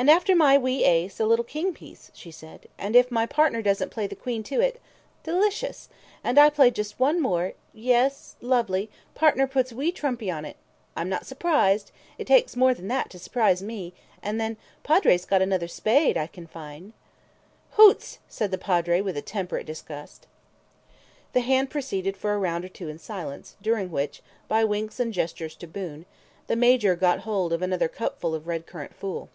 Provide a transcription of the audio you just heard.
"And after my wee ace, a little king piece," she said. "And if my partner doesn't play the queen to it! Delicious! And I play just one more. ... Yes ... lovely, partner puts wee trumpy on it! I'm not surprised; it takes more than that to surprise me; and then Padre's got another spade, I ken fine!" "Hoots!" said the Padre with temperate disgust. The hand proceeded for a round or two in silence, during which, by winks and gestures to Boon, the Major got hold of another cupful of red currant fool.